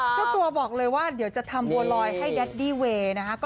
เจ้าตัวบอกเลยว่าเดี๋ยวจะทำบัวลอยให้แดดดี้เวย์นะคะ